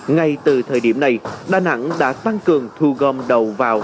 ngay từ thời điểm này đà nẵng đã tăng cường thu gom đầu vào